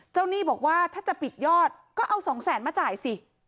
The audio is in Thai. หนี้บอกว่าถ้าจะปิดยอดก็เอาสองแสนมาจ่ายสิ